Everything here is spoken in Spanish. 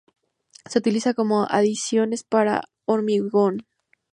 Se utilizan como adiciones para hormigón.